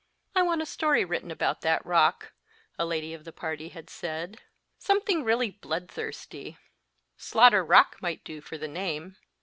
I want a story written about that rock, a lady of the party had said ; something really blood thirsty. " Slaughter Rock " might do for the name.